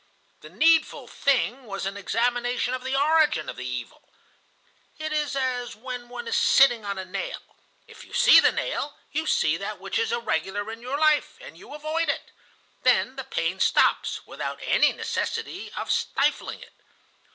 The needful thing was an examination of the origin of the evil. It is as when one is sitting on a nail; if you see the nail, you see that which is irregular in your life, and you avoid it. Then the pain stops, without any necessity of stifling it.